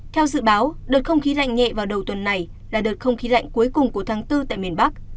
theo dự báo đợt không khí lạnh nhẹ vào đầu tuần này là đợt không khí lạnh cuối cùng của tháng bốn tại miền bắc